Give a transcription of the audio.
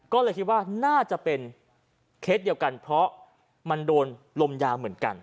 ก็เลยคิดว่าน่าจะเป็นเคสเดียวกันเพราะมันโดนลมยาเหมือนกัน